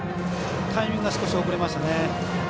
タイミングが少し遅れましたね。